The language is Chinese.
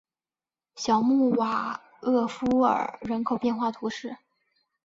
小穆瓦厄夫尔人口变化图示